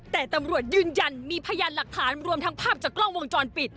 แต่ตำรวจยืนยันมีพยานหลักฐานรวมทั้งภาพจากกล้องวงจรปิด